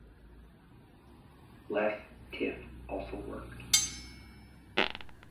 LessTif also worked.